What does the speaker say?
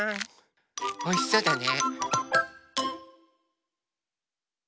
おいしそうだね。